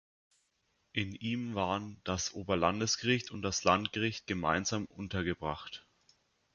In ihm waren das Oberlandesgericht und das Landgericht gemeinsam untergebracht.